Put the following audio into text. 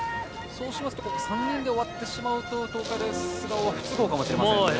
そうしますと３人で終わってしまうと東海大菅生は不都合かもしれませんね。